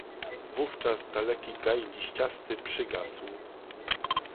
"Wówczas daleki gaj liściasty przygasł."